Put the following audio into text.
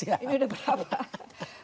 ini sudah berapa